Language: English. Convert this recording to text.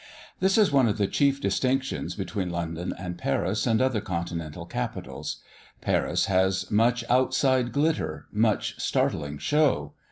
This is one of the chief distinctions between London and Paris and other continental capitals. Paris has much outside glitter, much startling show.